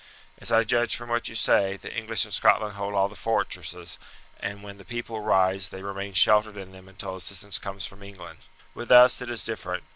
As I judge from what you say, the English in Scotland hold all the fortresses, and when the people rise they remain sheltered in them until assistance comes from England. With us it is different.